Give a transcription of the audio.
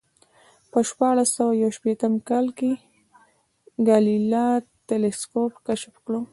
په شپاړس سوه یو شپېتم کال کې ګالیله تلسکوپ کشف کړ